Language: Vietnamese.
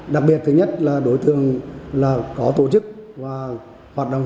đặc biệt thứ nhất là đối tượng có tổ chức và hoạt động